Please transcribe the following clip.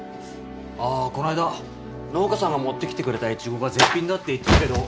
あーこの間農家さんが持ってきてくれたイチゴが絶品だって言ってたけど。